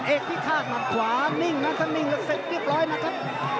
เอฆพิฆาตขวานิ่งนักษณิงเสร็จเรียบร้อยนะครับ